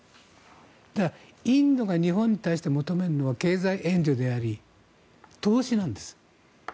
だからインドが日本に対して求めるのは経済援助であり、投資なんです。